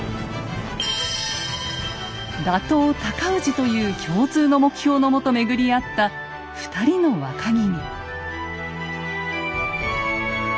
打倒尊氏という共通の目標のもと巡り合った２人の若君。